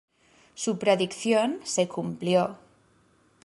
Su predicción se cumplió.